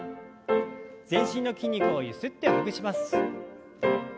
全身の筋肉をゆすってほぐします。